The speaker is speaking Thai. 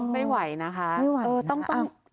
ไม่ไหวนะคะ